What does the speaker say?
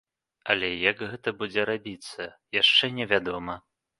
Але як гэта будзе рабіцца, яшчэ не вядома.